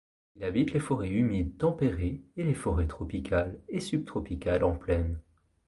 Il habite les forêts humides tempérées et les forêts tropicales et subtropicales en plaine.